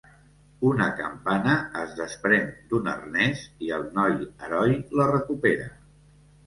Una campana es desprèn d'un arnès i el noi heroi la recupera.